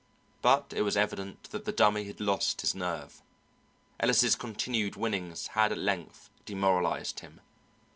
But it was evident that the Dummy had lost his nerve. Ellis' continued winnings had at length demoralized him.